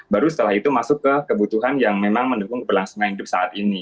baru setelah itu masuk ke kebutuhan yang memang mendukung keberlangsungan hidup saat ini